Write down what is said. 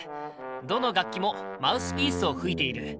どの楽器もマウスピースを吹いている。